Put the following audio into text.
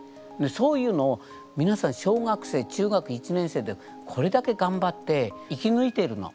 そういうのをみなさん小学生中学１年生でこれだけがんばって生きぬいているの。